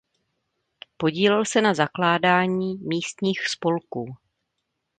Podílel se na zakládání místních spolků.